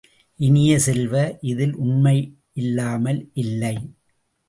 இனிய செல்வ, இதில் உண்மையில்லாமல் இல்லை.